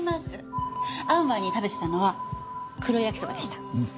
会う前に食べてたのは黒焼きそばでした。